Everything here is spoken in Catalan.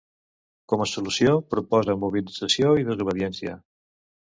Com a solució, proposa “mobilització i desobediència”.